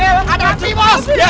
eh apa salahnya